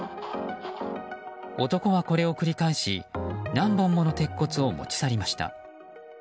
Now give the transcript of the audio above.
男はこれを繰り返し何本もの鉄骨を持ち去りました。